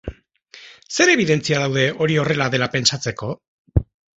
Zer ebidentzia daude hori horrela dela pentsatzeko?